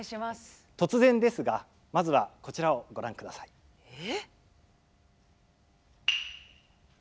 突然ですがまずはこちらをご覧ください。え！